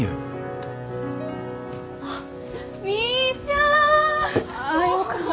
あっみーちゃん！